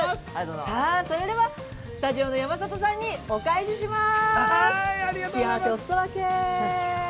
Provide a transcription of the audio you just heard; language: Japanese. それでは、スタジオ山里さんにお返しします。